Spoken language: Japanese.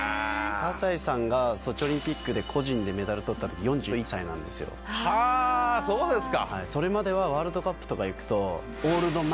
葛西さんがソチオリンピックで個人でメダルとったとき４１歳そうですか。